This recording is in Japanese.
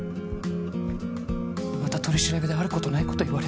また取り調べである事ない事言われて。